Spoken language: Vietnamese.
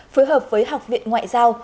phối hợp với học viện ngoại giao